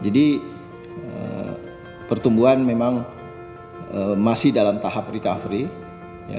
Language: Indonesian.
jadi pertumbuhan memang masih dalam tahap recovery